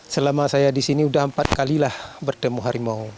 selama saya di sini sudah empat kalilah bertemu harimau